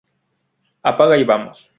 ¡Apaga y vámonos!